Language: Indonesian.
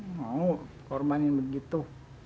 mau korbanin begitu